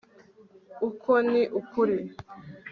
ukwo ni ukuri